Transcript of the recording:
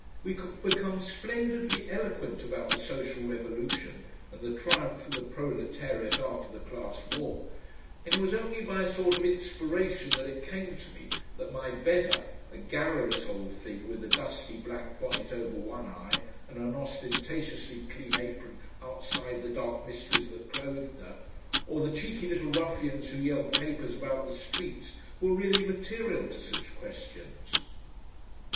We could become splendidly eloquent about the social revolution and the triumph of the Proletariat after the Class war, and it was only by a sort of inspiration that it came to me that my bedder, a garrulous old thing with a dusty black bonnet over one eye and an ostentatiously clean apron outside the dark mysteries that clothed her, or the cheeky little ruffians who yelled papers about the streets, were really material to such questions.